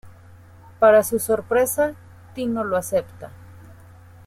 Para su sorpresa, Tino lo acepta.